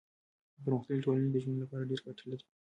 پرمختللي ټولنې د ژوند لپاره ډېر ګټې لري.